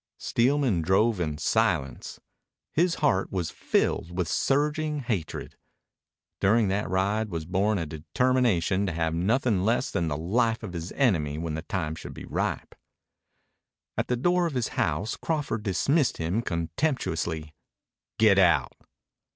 Steelman drove in silence. His heart was filled with surging hatred. During that ride was born a determination to have nothing less than the life of his enemy when the time should be ripe. At the door of his house Crawford dismissed him contemptuously. "Get out."